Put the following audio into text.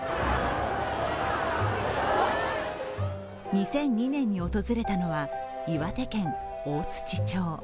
２００２年に訪れたのは岩手県大槌町。